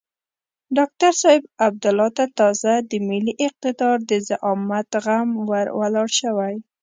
ډاکتر صاحب عبدالله ته تازه د ملي اقتدار د زعامت غم ور ولاړ شوی.